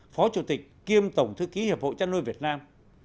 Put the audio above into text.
phó chủ tịch kiêm tổng thư ký hiệp hội trăn nuôi việt nam